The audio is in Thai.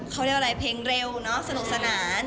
เขาเรียกอะไรเพลงเร็วเนอะสนุกสนาน